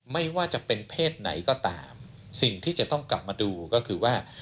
ไม่ว่าจะเป็นเพศไหนก็ตามสิ่งที่จะต้องกลับมาดูก็คือว่า